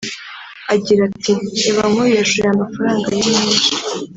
Agira ati “Reba nk’uyu yashoye amafaranga ye menshi